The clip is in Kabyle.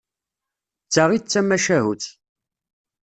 D ta i d tamacahut.